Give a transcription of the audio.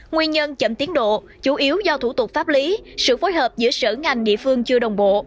nguyên nhân chậm tiến độ chủ yếu do thủ tục pháp lý sự phối hợp giữa sở ngành địa phương chưa đồng bộ